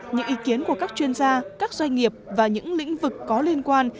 những ý kiến của các chuyên gia các doanh nghiệp và những lĩnh vực có liên quan